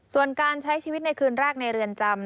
ส่วนการใช้ชีวิตในคืนแรกในเรือนจำ